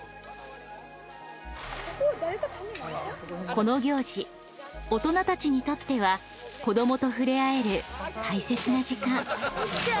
この行事大人たちにとっては子どもとふれあえる大切な時間。